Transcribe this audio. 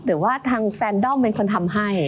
แต่ว่าทางแฟนด้อมเป็นคนทำให้